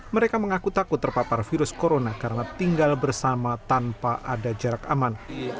mereka mengaku takut terpapar virus corona karena tinggal bersama tanpa ada jarak aman